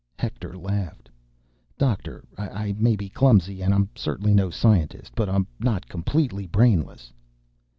Hector laughed. "Doctor, I may be clumsy, and I'm certainly no scientist ... but I'm not completely brainless."